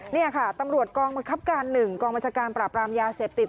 นี่ค่ะตำรวจกองบังคับการ๑กองบัญชาการปราบรามยาเสพติด